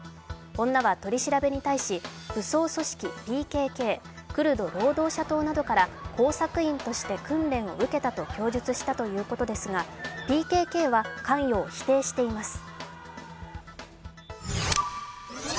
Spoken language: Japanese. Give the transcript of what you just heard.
女は、取り調べに対し武装組織ＰＫＫ＝クルド労働者党などから工作員として訓練を受けたと供述したということですが、ＰＫＫは関与を否定しています。